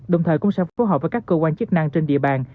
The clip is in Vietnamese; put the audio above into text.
đồng thời cũng sẽ phối hợp với các cơ quan chức năng trên địa bàn